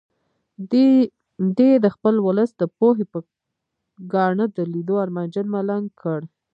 دی یې د خپل ولس د پوهې په ګاڼه د لیدو ارمانجن ملنګ کړ.